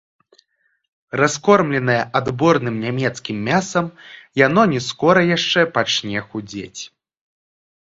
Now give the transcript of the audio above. Раскормленае адборным нямецкім мясам, яно не скора яшчэ пачне худзець.